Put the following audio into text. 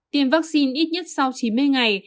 tiêm vaccine ít nhất sau chín mươi ngày